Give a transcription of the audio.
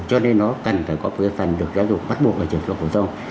cho nên nó cần phải có một phần được giáo dục bắt buộc vào trung học phổ thông